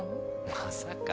まさか。